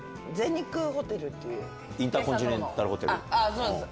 そうです。